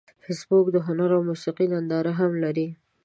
فېسبوک د هنر او موسیقۍ ننداره هم لري